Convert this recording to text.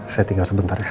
saya tinggal sebentar ya